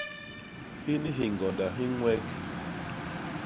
Hini hiñgonda hi ññwek.